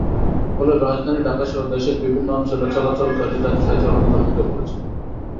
ফলে রাজধানী ঢাকাসহ দেশের বিভিন্ন অঞ্চলে চলাচলকারী যাত্রীরা চরম দুর্ভোগে পড়েছেন।